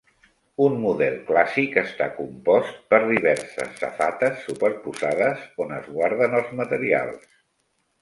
Un model clàssic està compost per diverses safates superposades on es guarden els materials.